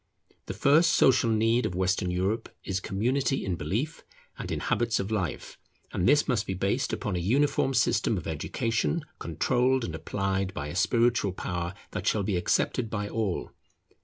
The first social need of Western Europe is community in belief and in habits of life; and this must be based upon a uniform system of education controlled and applied by a spiritual power that shall be accepted by all.